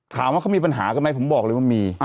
ถามว่าเขามีปัญหากันไหมผมบอกเลยว่ามี